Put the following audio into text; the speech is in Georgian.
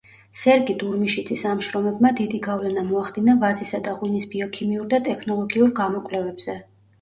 სერგი დურმიშიძის ამ შრომებმა დიდი გავლენა მოახდინა ვაზისა და ღვინის ბიოქიმიურ და ტექნოლოგიურ გამოკვლევებზე.